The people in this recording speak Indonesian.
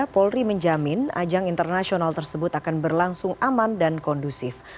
polri menjamin ajang internasional tersebut akan berlangsung aman dan kondusif